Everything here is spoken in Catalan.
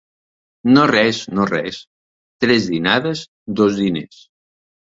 No res, no res, tres dinades, dos diners.